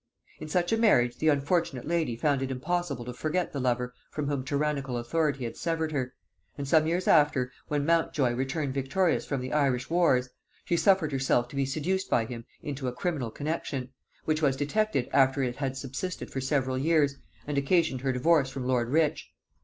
In such a marriage the unfortunate lady found it impossible to forget the lover from whom tyrannical authority had severed her; and some years after, when Montjoy returned victorious from the Irish wars, she suffered herself to be seduced by him into a criminal connexion, which was detected after it had subsisted for several years, and occasioned her divorce from lord Rich.